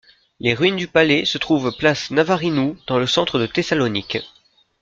Les ruines du palais se trouvent place Navarinou, dans le centre de Thessalonique.